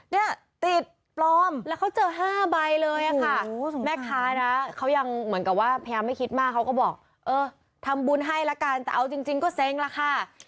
เนี่ยติดปลอมแล้วเขาเจอ๕ใบเลยค่ะแม่ค้านะเขายังเหมือนกับว่าพยายามไม่คิดมากเขาก็บอกเออทำบุญให้ละกันแต่เอาจริงก็เซ้งล่ะค่ะ